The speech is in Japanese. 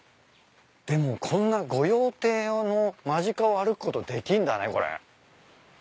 でもこんな御用邸の間近を歩くことできんだねこれ。